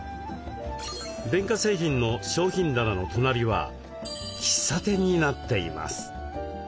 電化製品の商品棚の隣は喫茶店になっています。